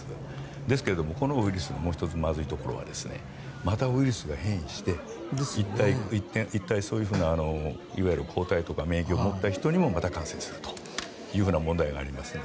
ですけれどもこのウイルスのもう１つ、まずいところはまたウイルスが変異していったんそういうふうな抗体、免疫を持った人にもまた感染するという問題がありますので。